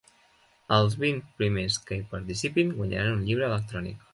Els vint primers que hi participin, guanyaran un llibre electrònic.